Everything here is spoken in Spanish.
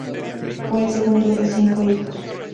Fue el segundo de cinco hijos.